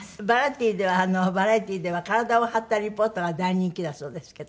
バラエティーでは体を張ったリポートが大人気だそうですけど。